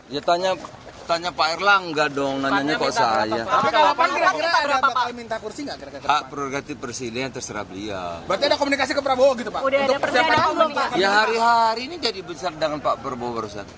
zulkifli hasan menyebut pembagian kursi menteri adalah hak prerogatif presiden terpilih